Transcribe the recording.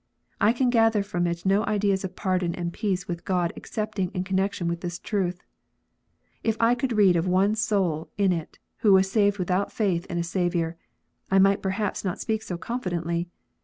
I can gather from it no ideas of pardon and peace with God excepting in connection with this truth. If I could read of one soul in it who was saved without faith in a Saviour, I might perhaps not speak so confidently.